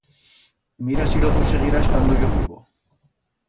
Mira si lo conseguirá estando yo vivo.